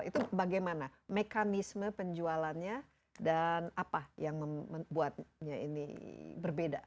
itu bagaimana mekanisme penjualannya dan apa yang membuatnya ini berbeda